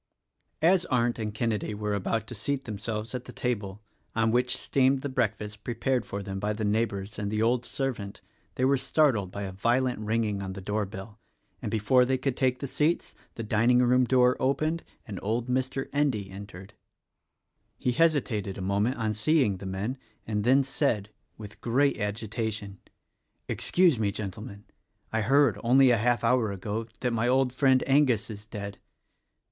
As Arndt and Kenedy were about to seat themselves at the table, on which steamed the breakfast prepared for them by the neighbors and the old servant, they were startled by a violent ringing, of the doorbell, and before they could take the seats the dining room door opened and old Mr. Endy entered. He hesitated a moment on seeing the men and then said — with great agitation — "Excuse me, Gentlemen; I heard, only a half hour ago, that my old friend Angus is dead.